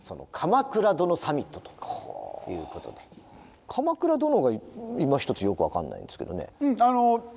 「鎌倉殿サミット」ということで鎌倉殿がいまひとつよく分かんないんですけどね。